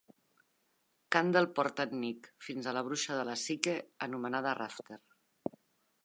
Candle porta en Nick fins a la bruixa de la psique anomenada Rafter.